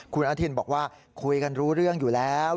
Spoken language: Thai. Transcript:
คุณอนุทินบอกว่าคุยกันรู้เรื่องอยู่แล้ว